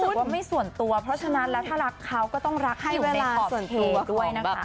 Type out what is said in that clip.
หรือว่าไม่ส่วนตัวเพราะฉะนั้นแล้วถ้ารักเขาก็ต้องรักให้อยู่ในขอบเทดด้วยนะคะ